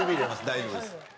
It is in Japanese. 大丈夫です。